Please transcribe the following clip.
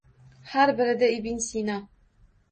Har birida ibn Sino